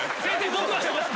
僕はしてます。